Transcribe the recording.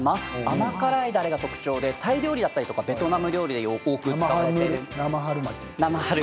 甘辛いたれが特徴でタイ料理、ベトナム料理で多く使われます。